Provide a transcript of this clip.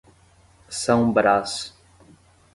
São Brás